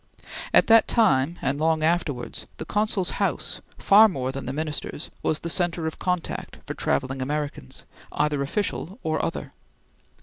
At that time, and long afterwards, the Consul's house, far more than the Minister's, was the centre of contact for travelling Americans, either official or other.